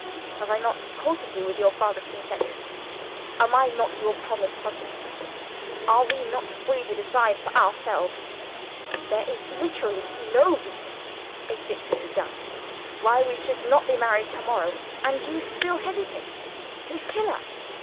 Have I not courted you with your father's consent? Am I not your promised husband? Are we not free to decide for ourselves? There is literally no reason if it could be done why we should not be married to morrow. And you still hesitate? Lucilla!